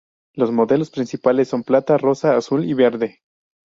Los modelos principales son plata, rosa, azul y verde.